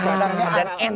masyarakat tambah pintar